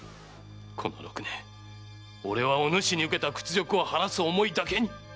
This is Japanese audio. この六年俺はお主に受けた屈辱を晴らす思いだけに生きてきたのだ。